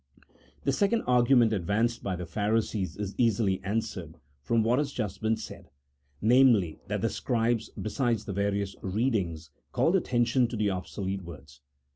The second argument advanced by the Pharisees is easily answered from what has just been said, namely, that the scribes besides the various readings called attention to ob solete words.